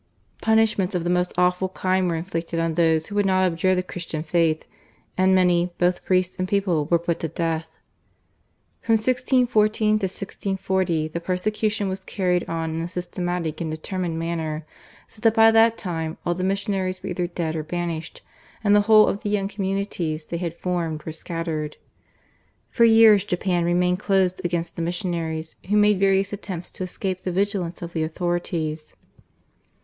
Punishments of the most awful kind were inflicted on those who would not abjure the Christian faith, and many, both priests and people, were put to death. From 1614 till 1640 the persecution was carried on in a systematic and determined manner, so that by that time all the missionaries were either dead or banished, and the whole of the young communities they had formed were scattered. For years Japan remained closed against the missionaries who made various attempts to escape the vigilance of the authorities.